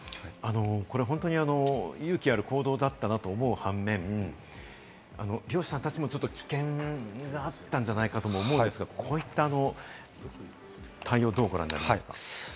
これ本当に勇気ある行動だったなと思う反面、漁師さんたちもちょっと危険があったんじゃないかと思うんですが、こういった対応をどうご覧になりますか？